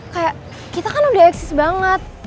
kayak kita kan udah eksis banget